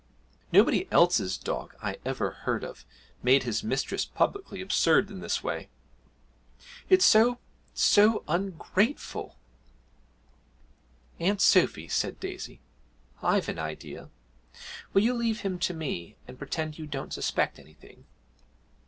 Nobody else's dog I ever heard of made his mistress publicly absurd in this way. It's so so ungrateful!' 'Aunt Sophy,' said Daisy, 'I've an idea. Will you leave him to me, and pretend you don't suspect anything?